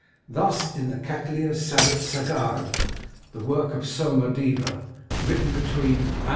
Thus in the Katlia Sarit Sagara, a work of Soma Deva, written between a.d.